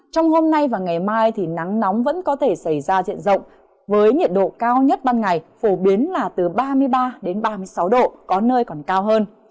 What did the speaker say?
trong hôm nay và ngày mai nắng nóng vẫn có thể xảy ra diện rộng với nhiệt độ cao nhất ban ngày phổ biến là từ ba mươi ba đến ba mươi sáu độ có nơi còn cao hơn